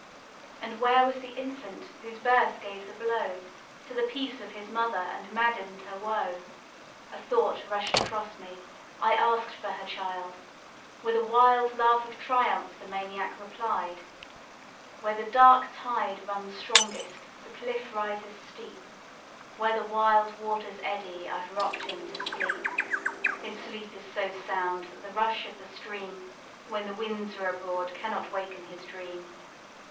And where was the infant whose birth gave the blow To the peace of his mother, and madden'd her woe? A thought rush'd across me I ask'd for her child, With a wild laugh of triumph the maniac replied "'Where the dark tide runs strongest, the cliff rises steep, Where the wild waters eddy, I've rock'd him to sleep: His sleep is so sound that the rush of the stream, When the winds are abroad, cannot waken his dream.